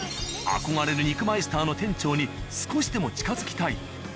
憧れる肉マイスターの店長に少しでも近づきたい。